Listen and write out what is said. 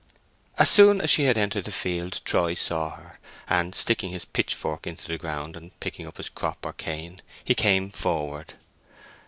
As soon as she had entered the field Troy saw her, and sticking his pitchfork into the ground and picking up his crop or cane, he came forward.